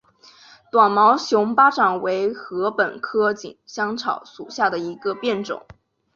短毛熊巴掌为禾本科锦香草属下的一个变种。